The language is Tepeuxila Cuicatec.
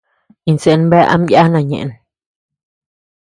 Insë bea ama yana ñeʼen.